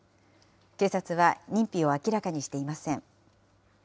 警察は認否を明らかにしていません。